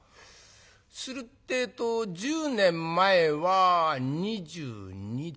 するってえと１０年前は２２だ」。